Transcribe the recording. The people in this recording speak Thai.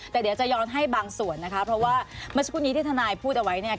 แต่เดี๋ยวจะย้อนให้บางส่วนนะคะเพราะว่าเมื่อสักครู่นี้ที่ทนายพูดเอาไว้เนี่ย